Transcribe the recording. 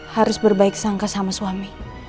harus berbaik sangka sama suami